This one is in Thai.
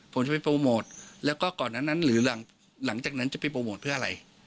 ผมจะไปโปรโมทแล้วก็ก่อนนั้นหรือหลังจากนั้นจะไปโปรโมทเพื่ออะไร